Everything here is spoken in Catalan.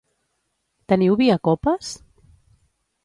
teniu vi a copes?